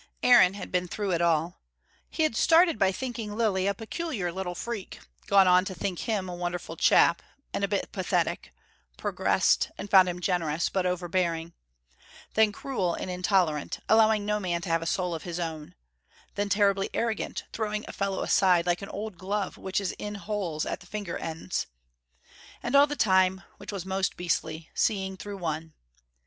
Aaron had been through it all. He had started by thinking Lilly a peculiar little freak: gone on to think him a wonderful chap, and a bit pathetic: progressed, and found him generous, but overbearing: then cruel and intolerant, allowing no man to have a soul of his own: then terribly arrogant, throwing a fellow aside like an old glove which is in holes at the finger ends. And all the time, which was most beastly, seeing through one.